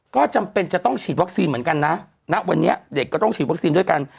ก็จำเป็นจะต้องฉีดวัคซีนเหมือนกันนะณวันนี้เด็กก็ต้องฉีดวัคซีนด้วยกัน